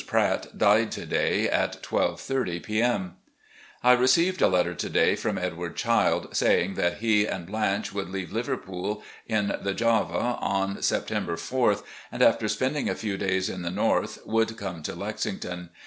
Pratt died to day at 12:30 P. M. " I received a letter to day from Edward Childe, saying that he and Blanche would leave Liverpool in the Java on September 4th, and after spending a few days in the North, would come to Lexington.